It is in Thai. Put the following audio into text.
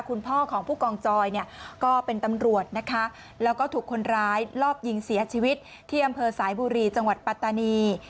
คุณพ่อของผู้กองจอยเนี่ยก็เป็นตำรวจนะคะแล้วก็ถูกคนร้ายลอบยิงเสียชีวิตที่อำเภอสายบุรีจังหวัดปัตตานี